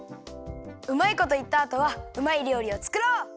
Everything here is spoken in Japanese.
うまいこといったあとはうまいりょうりをつくろう！